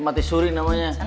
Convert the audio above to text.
eh mati suri namanya